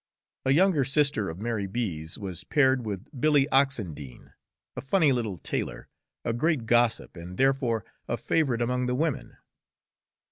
A younger sister of Mary B.'s was paired with Billy Oxendine, a funny little tailor, a great gossip, and therefore a favorite among the women.